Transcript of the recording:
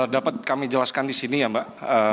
dapat kami jelaskan disini ya mbak